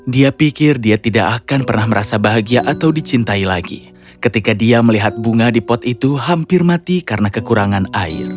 dia pikir dia tidak akan pernah merasa bahagia atau dicintai lagi ketika dia melihat bunga di pot itu hampir mati karena kekurangan air